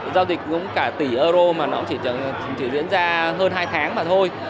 giao dịch cũng cả tỷ euro mà nó cũng chỉ diễn ra hơn hai tháng mà thôi